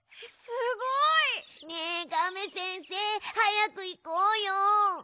すごい！ねえガメ先生はやくいこうよ。